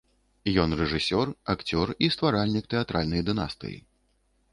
Ён рэжысёр, акцёр і стваральнік тэатральнай дынастыі.